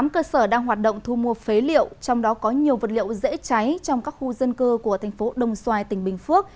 một mươi cơ sở đang hoạt động thu mua phế liệu trong đó có nhiều vật liệu dễ cháy trong các khu dân cư của thành phố đồng xoài tỉnh bình phước